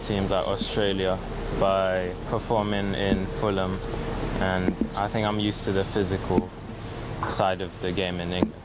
จากการพิสูจน์ในฟัลเล็ม